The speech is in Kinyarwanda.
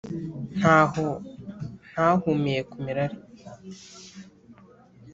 Ntaho nahumiye ku mirari